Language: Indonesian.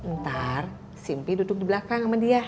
ntar si empi duduk di belakang sama dia